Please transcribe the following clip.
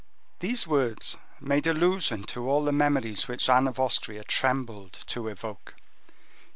These words made allusion to all the memories which Anne of Austria trembled to evoke.